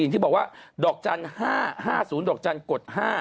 ที่บอกว่าดอกจันทร์๕๕๐ดอกจันทร์กด๕